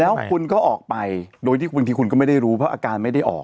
แล้วคุณก็ออกไปโดยที่บางทีคุณก็ไม่ได้รู้เพราะอาการไม่ได้ออก